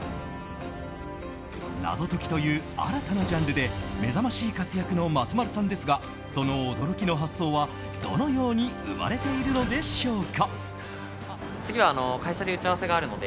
謎解きという新たなジャンルで目覚ましい活躍の松丸さんですがその驚きの発想は、どのように生まれているのでしょうか。